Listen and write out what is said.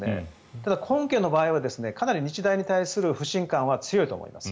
ただ、本件の場合はかなり日大に対する不信感は強いと思います。